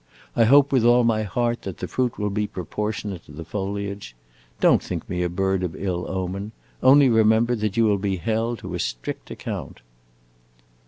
I hope with all my heart that the fruit will be proportionate to the foliage. Don't think me a bird of ill omen; only remember that you will be held to a strict account."